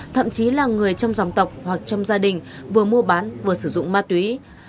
thậm chí là người trong dòng tộc hoặc trong gia đình vừa mua bán vừa sử dụng ma túy